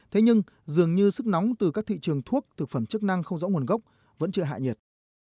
thế nhưng dường như sức nóng từ các thị trường thuốc thực phẩm chức năng không rõ nguồn gốc vẫn chưa hạ nhiệt